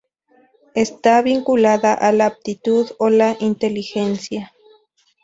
Está vinculada a la aptitud o la inteligencia.